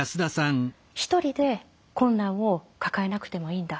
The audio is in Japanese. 一人で困難を抱えなくてもいいんだ。